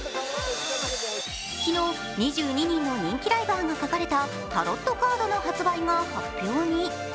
昨日、２２人の人気ライバーが描かれたタロットカードの発売が発表に。